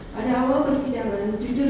pada awal persidangan jujur